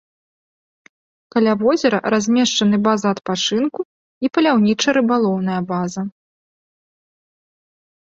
Каля возера размешчаны база адпачынку і паляўніча-рыбалоўная база.